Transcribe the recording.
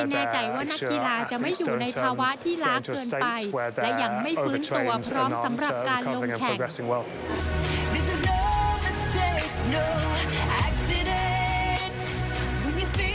และยังไม่ฟื้นตัวพร้อมสำหรับการลงแข่ง